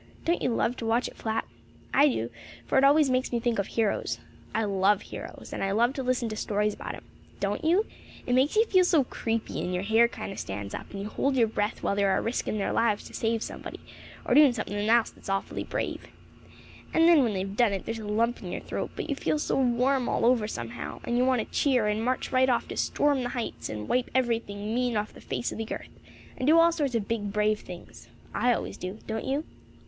Don't you love to watch it flap? I do, for it always makes me think of heroes. I love heroes, and I love to listen to stories about 'em. Don't you? It makes you feel so creepy, and your hair kind o' stands up, and you hold your breath while they're a risking their lives to save somebody, or doing something else that's awfully brave. And then, when they've done it, there's a lump in your throat; but you feel so warm all over somehow, and you want to cheer, and march right off to 'storm the heights,' and wipe every thing mean off the face of the earth, and do all sorts of big, brave things. I always do. Don't you?"